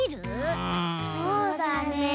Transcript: そうだねえ。